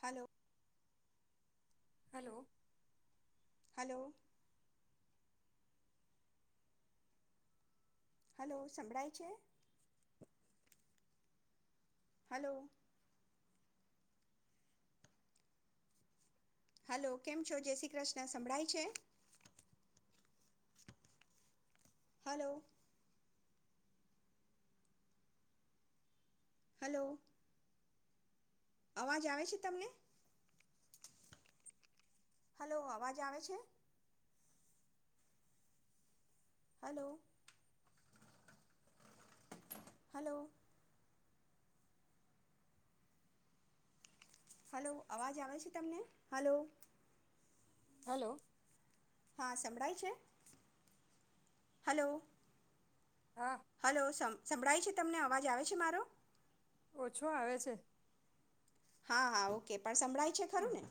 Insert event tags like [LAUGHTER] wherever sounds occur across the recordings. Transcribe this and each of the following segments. Hello. Hello. Hello. Hello, સંભળાય છે? Hello. Hello કેમ છો. જે શ્રી કૃષ્ણ સંભળાય છે? હલો. હલો. અવાજ આવે છે તમને? હલો, અવાજ આવે છે? હલો. હલો હલો અવાજ આવે છે તમને હલો. હલો હા સંભળાય છે હલો હા હલો સં સંભળાય છે? તમને અવાજ આવે છે મારો? ઓછો આવે છે. હા, હા ઓકે. પણ સંભળાય છે ખરું હમ, ને?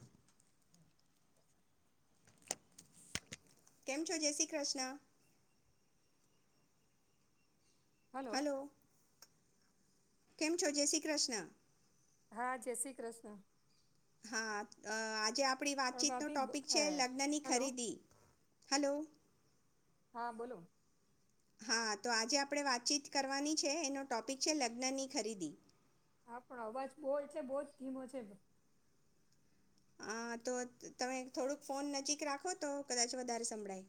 કેમ છો જય શ્રી કૃષ્ણ. હલો. કેમ છો જેય શ્રી કૃષ્ણ હા જય શ્રી કૃષ્ણ. હા અ આજે આપણી પણ વાતચીતનો ભાભી બ- ટોપિક છે અ, લગ્નની હલો ખરીદી, હલો. હા બોલો હા તો આજે આપણે વાતચીત કરવાની છે એનો ટોપિક છે લગ્નની ખરીદી. હા પણ અવાજ બો છે. બો જ ધીમો છે. હા તો તમે થોડુંક ફોન નજીક રાખો તો કદાચ વધારે સંભળાય.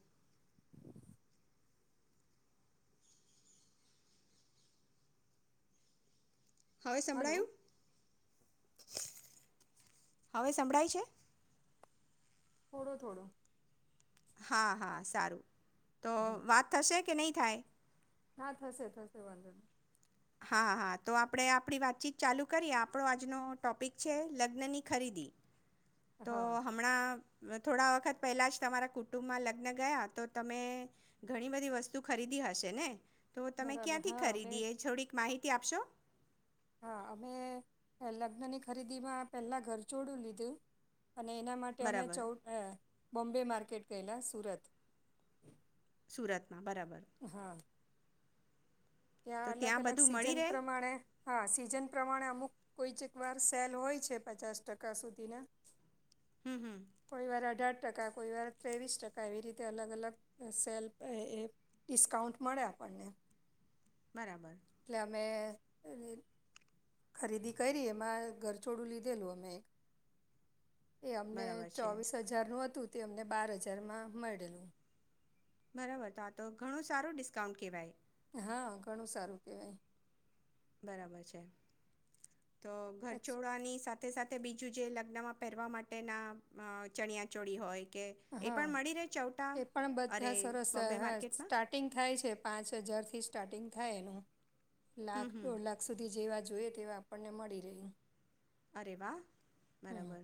હવે હલો સંભળાયું. હવે સંભળાય છે. થોડો થોડો હા, હા સારું. તો હમ વાત થશે કે નહી? થાય હા થશે થશે વાંધો નઈ. હા હા તો આપણે આપણી વાતચીત ચાલુ કરીએ. આપણો આજનો ટોપિક છે લગ્નની ખરીદી. તો હા હમણાં થોડા વખત પહેલા જ તમારા કુટુંબમાં લગ્ન ગયા તો તમે ઘણી બધી વસ્તુ ખરીદી હશે ને. તો તમે બરાબર ક્યાંથી હા અમે ખરીદી એ થોડીક માહિતી તી આપશો. હા અમે લગ્નની ખરીદી માં પહેલા ઘરછોડું લીધું. અને એના માટે અમે બરાબર ચૌદ અ બોમ્બે માર્કેટ ગયેલા સુરત. સુરત હા બરાબર. હા તો ત્યાં અલગ અલગ બધું મળી સીઝન રહે પ્રમાણે હા સીઝન પ્રમાણે અમુક કોઈક વાર સેલ હોય છે પચાસ ટકા સુધીના. હમ હમ કોઈ વાર અઢાર ટકા કોઈ વાર ત્રેવીસ ટકા એવી રીતે અલગ અલગ સેલ એ એ ડિસ્કાઉન્ટ મળે આપણને. બરાબર. એટલે અમે ખરીદી કયરી એમાં ઘરચોડું લીધેલું અમે એક. એ અમને બરાબર છે ચોવીસ હજાર નું હતું તે અમને બાર હજારમાં મળેલું. બરાબર તો આ તો ઘણું સારું ડિસ્કાઉન્ટ કેવાય. હા ઘણું સારું કેવાય. બરાબર છે. તો પછી ઘરચોડાની સાથે. સાથે સાથે બીજું જે લગ્નમાં પહેરવા માટેના અ ચણિયાચોળી હોય. કે એ પણ મળી રહે ચૌટા હા એ પણ અરે બધા સરસ બોમ્બે માર્કેટમાં સ્ટાર્ટિંગ થાય છે પાંચ હજારથી. સ્ટાર્ટિંગ થાય એનું. હમ લાખ હમ દોઢ લાખ સુધી જેવા. જોઈએ તેવા આપણને મળી રહ્યું. અરે વા. બરાબર.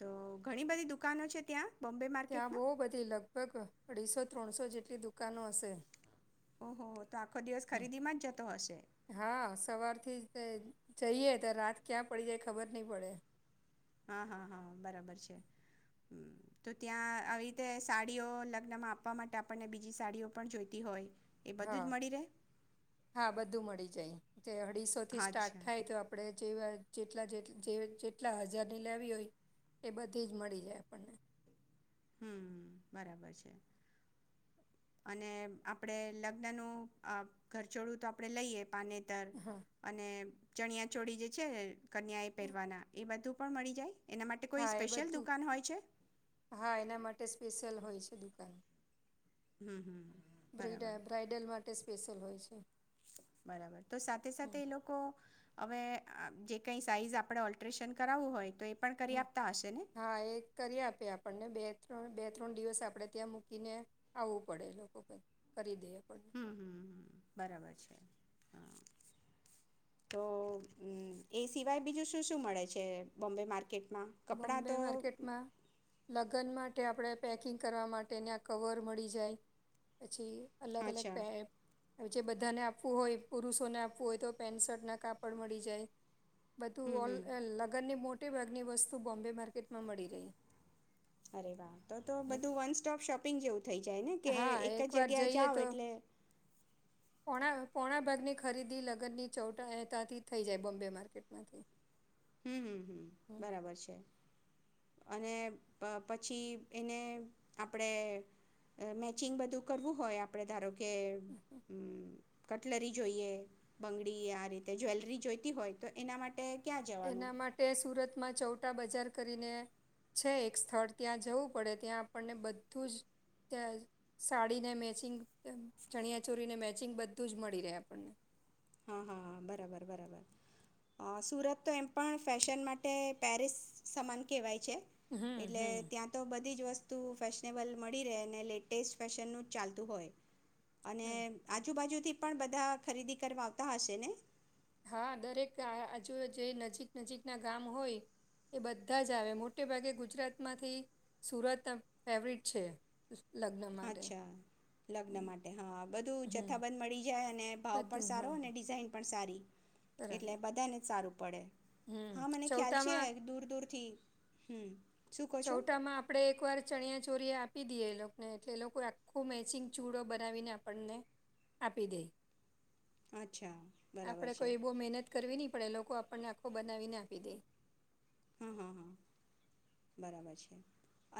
તો ઘણી બધી દુકાનો છે ત્યાં. બોમ્બે ત્યાં માર્કેટમાં બહુ બધી લગભગ અઢીસો. ત્રણસો જેટલી દુકાનો હશે. ઓહો તો આખો દિવસ હમ ખરીદી માં જ જતો હશે. હા સવારથી જ જઈએ તો રાત ક્યાં પડી જાય ખબર નહી પડે. હા હા હા બરાબર છે તો ત્યાં આવી રીતે સાડીઓ લગ્નમાં આપવા માટે આપણને બીજી સાડીઓ પણ જોઈતી હોય. એ બધું હા જ મળી રહે હા બધું મળી જાય જે અઢીસો થી હા, સ્ટાર્ટ અચ્છા થાય તો આપણે. જેવા જેટલા જે જે જેટલા હજારની લેવી હોય એ બધી જ મળી જાય આપણને. હમ બરાબર છે અને આપડે લગ્ન નું ઘરચોડું તો આપડે લઈએ પાને. હા અને. ચણિયા ચોળી જે છે. કન્યાએ પહેરવાના એ બધું. પણ મળી જાય. એના માટે કોઈ હા એ સ્પેશિયલ બધું દુકાન હોય છે. હા એના માટે સ્પેશિયલ હોય છે દુકાન. હમ હમ. બ્રડ બરાબર બ્રાઇડલ માટે. સ્પેશસયલ હોય છે. બરાબર તો સાથે સાથે હમ એ લોકો. હવે જે કંઈ સાઈઝ આપણે ઓલ્ટરેેશન કરાવવું હોય તો એ. પણ હ કરી આપતા હશે ને હા એ કરી આપી આપણને બે. ત્રણ બે ત્રણ દિવસ આપણે ત્યાં મૂકીને આવવું પડે લોકો કરી દેએ. હમ હમ બરાબર છે. હ તોમ એ સિવાય બીજું શું શું મળે છે બોમ્બે માર્કેટ. બોમ્બે માર્કેટમાં લગ્ન માટે. માટે આપણે પેકિંગ કરવા માટેને આ કવર મળી જાય પછી. અલગ અલગ અચ્છા પ હવે જે બધાને આપવું હોય પુરુષોને આપવું હોય તો પેન્ટ શર્ટના કાપડ મળી જાય. બધું હમ ઓ હમ લગ્નની મો [UNINTELLIGIBLE] બસ. શું બોમ્બે માર્કેટમાં મળી રહી. અરે વાહ તો તો બધું વન સોપ શોપિંગ જેવું થઇ જ. જને કે હા એક જ એકવાર જગ્યા જઈએ જાવ તો એટલે. પોણા પોણા ભાગની ખરીદી લગ્નની ચૌટા અહેતાથી થઈ જાય બોમ્બે માર્કેટમાંથી. હમ્મ હમ્મ બરાબર છે. અને પછી એને આપડે મેચિંગ બધું કરવું હોય આપડે ધારો કે. કે. કટલરી જોઈએ. બંગડી આ રીતે જ્વેલરી જોઈતી હોય તો એના માટે ક એના માટે સુરતમાં ચૌટા બજાર. કરીને છે એક સ્થળ ત્યાં જવું પડે ત્યાં આપણને બધું જ સાડીને મેચિંગ ચણિયા ચોરીને મેચિંગ બધું જ મળી રહે આપણને. હા હા બરાબર બરાબર સુરત તો એમ પણ ફેશન માટે પેરિસ સમાન કેહેવાય છે. હમ એટલે હમ ત્યાં તો બધી જ વસ્તુ. ફેશનેબલ મળી રહે લેટેસ્ટ ફેશન ન જ ચાલતું હોય. અને બરા- આજુબાજુથી. પણ બધા ખરીદી કરવા. તા હશેને. હા દરેક આજુ જે નજીક નજીકના ગામ હોય એ બધા જ આવે મોટે ભાગે ગુજરાતમાંથી સુરત ફેવરિટ છે. લગ્ન માટે અચ્છા લગ્ન માટે હા બધું હમ જથ્થાબંધ મળી જાય અને ભાવ પણ બધું સારો હા અને ડિઝાઇન પણ સારી. એટલે બરાબર બધાને સારું. પડે. હમ હા મને ખ્યાલ છે ચૌટામાં દૂર દૂર થી. હમ્મ ચૌટામાં આપણે એકવાર ચણિનયા ચોરીએ આપી દઈએ. ને એટલે એ લોકો આખું મેચિંગ ચૂડો બનાવીને આપણને આપી દે. અચ્છા બરાબર આપડે છે કોઈ બો મહેનત કરવી નહી પડે એ લોકો આ આપણને આખો બનાવીને આપી દે. હા હા હા બરાબર છે,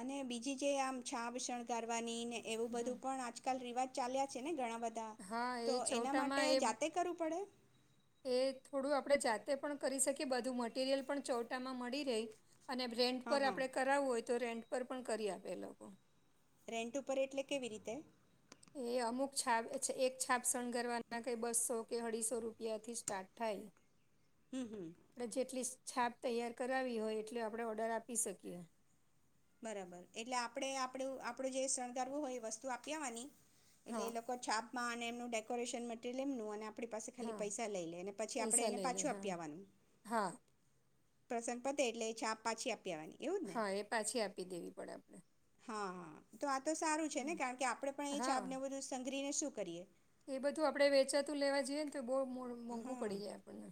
અને બીજી જે આમ છાબ શણગારવાની ને એવું બધું પણ આજકાલ રિવાજ. ચાલ્યા છે ને ઘણા બધા હા તો એ એના માટે ચૌટામાં એ જાતે કરવું પડે એ થોડું આપણે જાત તે પણ કરી શકી બધું મટીરિયલ પણ ચોટામાં મળી રહેહી અને રેન્ટ હા પર હા આપડણે કરાવવું હોય તો રેન્ટ પર પણ કરી આપે એ લોકો રેન્ટ ઉપર એટલે કેવી રીતે એ અમુક છાપ એક છાપ શણગારવા ના ક બસ્સો કે અઢીસો રૂપિયાથી સ્ટાર્ટ હમ હમ થાય જેટલી છાપ તૈયાર કરાવી હોય એટલે આપણે ઓર્ડર આપી શકીએ બરાબર એટલે આપણે આપડું આપડું જે શણગારવું હોય એ વસ્તુ આપ્યાવાની એટલે હા એ લોકો છાપ માં અને એમનું ડેકોરેશન મટરિલ એમનું અને આપ પાસે ખાલી હા પૈસા લઈ લે પછી આપણે પૈસા એને લઈ લે પાછું હા આપવાનું હા પ્રસન્ન પતે એટલે ચા પાછી આપ પીવાની એવું જ ને હા એ પાછી આપી દેવી પડે આપણે હા હા તો તો સારું છે ને હમ. કારણ કે આપણેે પણ એ ચાપ હા ને બધું સઘરીને શું કરીએ એ બધું આપડે વેચાતું લેવા જઈએ તો બહુ મોં મોંઘું હા પડી જાય આપણને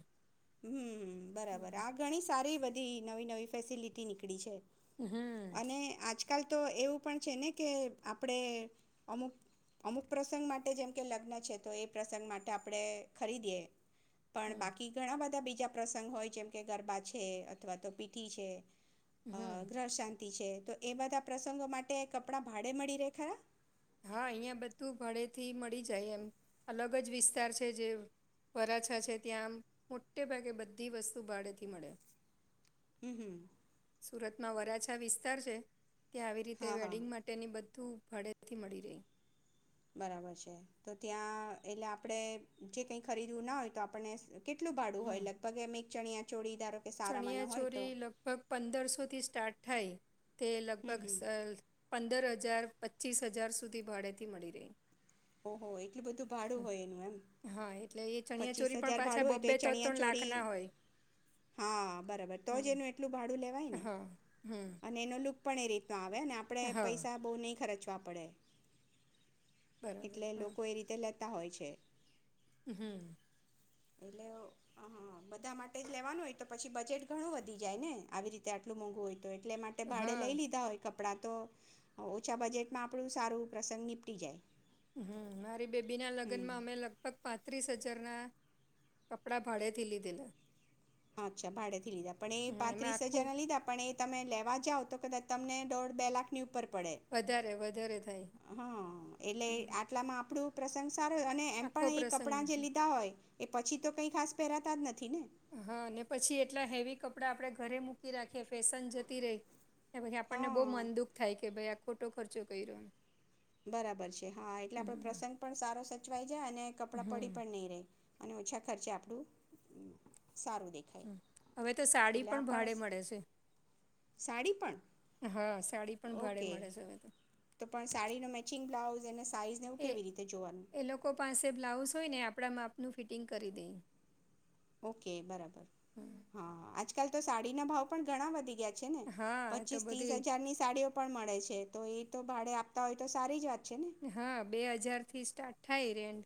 હમ બરાબર હમ આ ઘણી સારી બી તે નવી નવી ફેસિલિટી નીકળી છે હમ અને આજકાલ તો એવું પણ છે ને કે આપણે અમુક અમુક પ્રસંગ માટે જેમ કે લગ્ન છે તો એ પ્રસંગ માટે આપણે ખરીદીએ પણ હમ બાકી ઘણા બધા બીજા પ્રસંગ હોય જેમ કે ગરબા છે અથવા તો પીઠી છે અ, હમ ગ્રહ શાંતિ તો એ બધા પ્રસંગો માટે કપડા ભાડે મળી રે ખરા. હા અહીં બધું ભાડેથી મળી જાય એમ અલગ જ વિસ્તાર છે જે વરાછા છે ત્યાં આમ મોટે ભાગે બધી વસ્તુ ભાડેથી મળે. હમ હમ. સુરતમાં વરાછા વિસ્તાર છે. કે્યા આવી રીતે હા હા વેડિંગ માટે ની બધ. તું ફડે. મળી રહી. બરાબર છે તો ત્યાં એટલે આપણેે જે કઈ ખરીદવું ના હોય તો આપણને. કેટલું ભાડું હોય લગભગ અમે. ચણયા ચોડી. ચણિયા ચોરી લગભગ પંદરસો થી સ્ટાર્ટ. ઠઈ. તે હમ લગભગ હમ સ પંદર હજાર પચીસ હજાર સુધી ભાડેથી મળી રહી. ઓહો એટલું બધું ભાડું હોય એનું એમ. હા એટલે એ પચીસ ચણિયાચોરી પણ હજાર પાછા ભાડું હોય તો બબ્બે એ ચણિયા ત્રણ ચોળી લાખના હોય હા બરાબર તો હમ જ એનું એટલું ભાડું લેવાય ને હા હમ્મ. અને એનો લુક પણ એ રી તો આવે અને આપડે પૈસા બહુ નહીં ખરચ વા પડે. બરાબર એટલે લોકો એ રીતે લે તા હોય છે. હમ્મ. એટલે અ બધા માટે જ લેવાનું હોય તો પછી બજેટ ઘણું વધી જાય ને આવી રીતે આટલું મોંઘું હોય. તો એટલે માટે ભાે હા લઈ લીધા હોય. આપણાં તો ઓછા બજેટમાં આપણું સારું પ્રસંગ નિનીપટી જાય. હમ મારી બેબી ના હમ લગ્નમાં અમે લગભગ પાંત્રીસ હજ. જાર કપડા ભાડેથી લીધલા. અચ્છા ભાડેથી લીધા પણ એ એમાં પાંત્રીસ હજાર આખું ના લીધા પણ એ તમે લેવા જાવ તો કદાચ તમને દોઢ બે લાખની ઉપર. પડે. વધારે વધારે થાય હા એટલે હમ, આટલામાં આપણું પ્રશંસ સાર અને એમ આખો પણ એ પ્રસંગ કપડાં જે લીધા હોય એ પછી તો કઈ ખાસ પહેરાતા જ નથી ને. હા ને પછી એટલા હેવી કપડાં આપણેે ઘરે મૂકી રાખીએ ફેશન જતી રહી. ને પછી આપણને બહુ હા મન દુઃખ થાય કે ભાઈ ફોટો ખર્ચો કર્યો એમ. બરાબર છે હા એટલે આપડો હમ પ્રસંગ પણ સારો સ ચવાઈ. અને કપડાં પડી હમ પણ નહી રે. અને ઓછા ખર્ચે આપણું સારું દેખાય હવે તો સાડી એટલે આ પણ ભાડે મળે છે. સાડી પણ હા સાડી પણ ભાડે ઓકે મળે છે હવે તો તો પણ સાડીનો મેચિંગ બ્લા આ જેને. એ એ લોકો પાસે બ્લાઉસ હોય ને આપણા મા નું ફિટિંગ કરી દે ઓકે બરાબર હા હા આજ કલ તો સાડીના ભાવ પણ ઘણા વધી ગયા ને હા તો પચીસ ત્રીસ બધી હજાર ની સાડીઓ પણ મળે છે. તો એ તો ભાડે આપતા હોય તો સારી જ વાત છે ને હા બે હજાર થી સ્ટાર્ટ થાય રેન્ડ.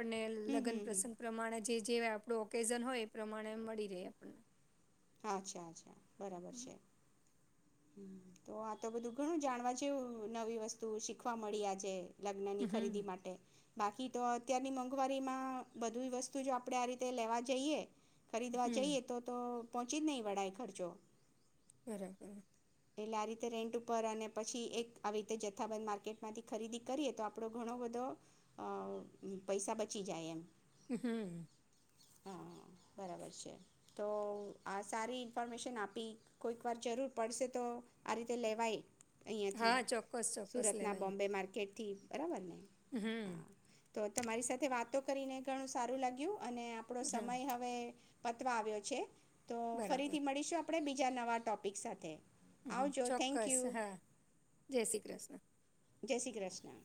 આપને હમ હમ લગ્ન હમ પ્રસંગ પ્રમાણે જે જે આપણું ઓકેઝન હોય એ પ્રમાણે મળી રહે આપણને. અચ્છા અચ્છા. બરાબર છે. તો આ તો બધું ઘણું જાણવા જેવું નવી વસ્તુ શીખવા મળી આજે લગ્ન ની ખરીદી હમ માટે બાકી તો અત્યારની મોંઘવારીમાં બધી વસ્તુ જો આપડણે આ રીતે લેવા જઈએ ખરીદવા હમ જઈએ તો તો પહોંચી જ નહીં વાડાઈ ખર્ચો. બરાબર. એટલે આ રીતે રેન્ટ ઉપર અને પછી એક આવી રીતે જથ્થાબંધ માર્કેટમાંથી ખરીદી કરીએ તો આપણો ઘણો બધો પૈસા બચી જાય એમ. હમ્મ. હા બરાબર છે તો આ સારી ઇન્ફોર્મેશન આપી કોઈક વાર જરૂર પડશે તો આ રીતે લેવાય અહીંયાથી હા ચોક્કસ ચોક્કસ લેવાઈ. થી બરાબરને. હમ્મ. તો તમારી સાથે વાતો કરીને ઘણું સારું લાગ્યું અને આપણો હા સમય હવે પતવા આવ્યો છે. તો બરાબર ફરીથી મળીશું આપ આપણે બીજા નવા ટોપિક સાથે. આવજો થેન્ક ચોક્કસ યુ હા જય શ્રી કૃષ્ણ. જય શ્રી કૃષ્ણ.